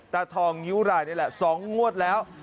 ตาทองงิ้วรายนี่แหละ๒งวดแล้ว